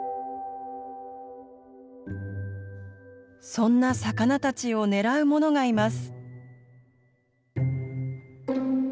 そんな魚たちを狙うものがいます。